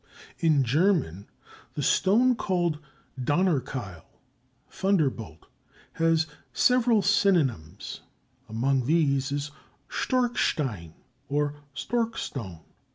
In German, the stone called Donnerkeil (thunderbolt) has several synonyms; among these is Storchstein ("stork stone").